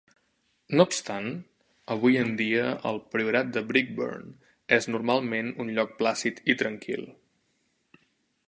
No obstant, avui en dia el priorat de Brinkburn és normalment un lloc plàcid i tranquil.